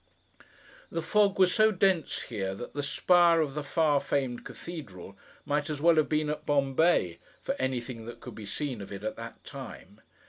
The fog was so dense here, that the spire of the far famed Cathedral might as well have been at Bombay, for anything that could be seen of it at that time.